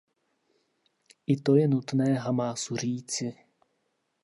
I to je nutné Hamásu říci.